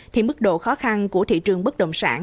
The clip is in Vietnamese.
thì mức độ khó khăn của thị trường bất động sản